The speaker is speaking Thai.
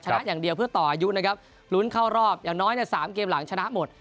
อย่างเดียวเพื่อต่ออายุนะครับลุ้นเข้ารอบอย่างน้อยเนี่ย๓เกมหลังชนะหมด